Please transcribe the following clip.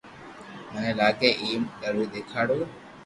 مني لاگي اپي ڪري ديکاڙيو